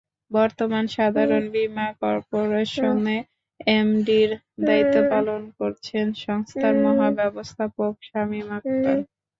বর্তমানে সাধারণ বীমা করপোরেশনে এমডির দায়িত্ব পালন করছেন সংস্থার মহাব্যবস্থাপক শামিম আখতার।